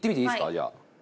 じゃあ。